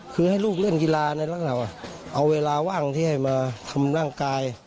คือให้ลูกเล่นกีฬาในลักษณะเอาเวลาว่างที่ให้มาทำร่างกาย